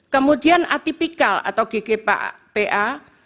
kemudian atipikal atau ggpa